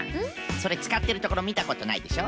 それつかってるところみたことないでしょ？